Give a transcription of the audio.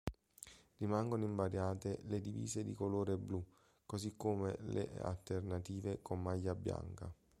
Rimangono invariate le divise di colore blu, così come le alternative con maglia bianca.